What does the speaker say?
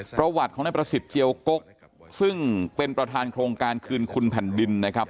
ประวัติของนายประสิทธิ์เจียวกกซึ่งเป็นประธานโครงการคืนคุณแผ่นดินนะครับ